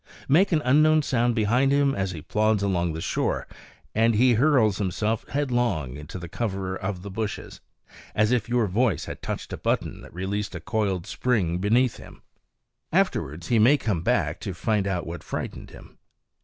Make an unknown sound behind him as he plods along the shore, and he hurls himself headlong into the cover of the bushes, as if your voice had touched a button that released a coiled spring beneath him. Afterwards he may come back to find out what frightened him.